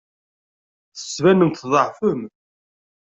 Tettbanem-d tḍeɛfem.